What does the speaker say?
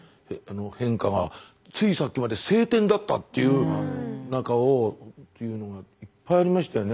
変化がついさっきまで晴天だったっていう中をっていうのがいっぱいありましたよね。